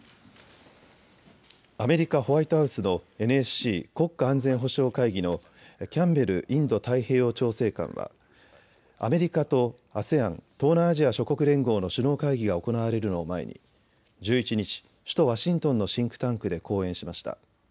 アメリカ・ホワイトハウスのＮＳＣ・国家安全保障会議のキャンベルインド太平洋調整官は、アメリカとＡＳＥＡＮ・東南アジア諸国連合の首脳会議が行われるのを前に１１日、首都ワシントンのシンクタンクで講演しました。